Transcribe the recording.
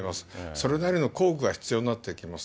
それなりの工具が必要になってきます。